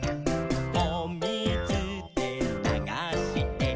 「おみずでながして」